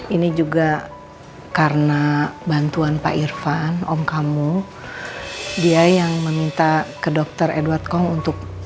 ini juga karena bantuan pak irfan om kamu dia yang meminta ke dokter edw com untuk